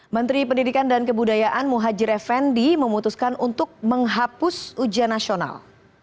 menteri pendidikan dan kebudayaan muhajir effendi memutuskan untuk menghapus ujian nasional